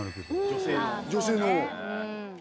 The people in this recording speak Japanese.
女性の。